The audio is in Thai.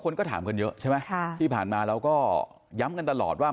คนก็ถามกันเยอะใช่ไหมที่ผ่านมาเราก็ย้ำกันตลอดว่า